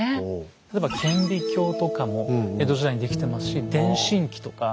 例えば顕微鏡とかも江戸時代に出来てますし電信機とか